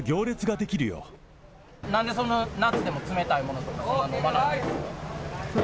なんでそんな夏でも冷たいものとか、そんな飲まないんですか？